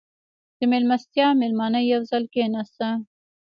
• د میلمستیا مېلمانه یو ځای کښېناستل.